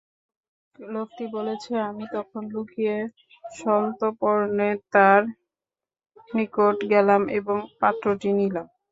লোকটি বলেছে, আমি তখন লুকিয়ে সন্তর্পণে তার নিকট গেলাম এবং পাত্রটি নিলাম।